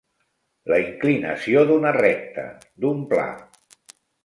La inclinació d'una recta, d'un pla.